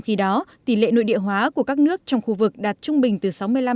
vì đó tỷ lệ nội địa hóa của các nước trong khu vực đạt trung bình từ sáu mươi năm bảy mươi